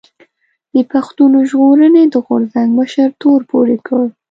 د پښتون ژغورنې د غورځنګ مشر تور پورې کړ